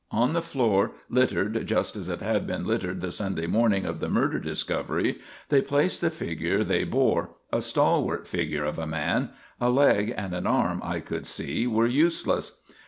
On the floor, littered just as it had been littered the Sunday morning of the murder discovery, they placed the figure they bore, a stalwart figure of a man. A leg and an arm, I could see, were useless.